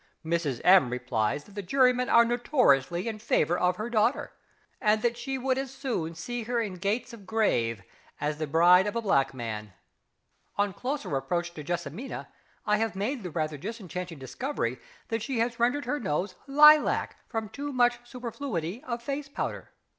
Mrs M. replies that the jurymen are notoriously in favour of her daughter, and that she would as soon see her in gates of grave as the bride of a black man. On closer approach to JESSIMINA, I have made the rather disenchanting discovery that she has rendered her nose lilac from too much superfluity of face powder.